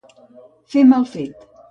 Fer mal fet.